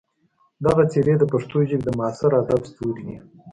دغه څېرې د پښتو ژبې د معاصر ادب ستوري دي.